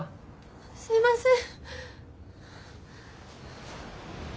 すいません！